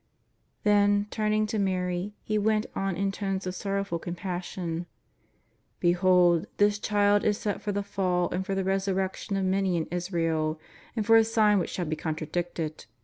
Then, turning to Mary, he went on in tones of sorrow ful compassion :" Behold this Child is set for the fall and for the resurrection of many in Israel, and for a sign which shall be contradicted.